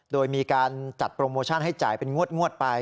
โดยมีการจัดโปรโมชั่นให้จ่ายเป็นงวดไป